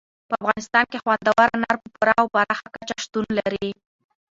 په افغانستان کې خوندور انار په پوره او پراخه کچه شتون لري.